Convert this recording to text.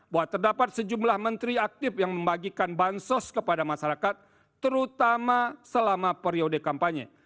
bahwa terdapat sejumlah menteri aktif yang membagikan bansos kepada masyarakat terutama selama periode kampanye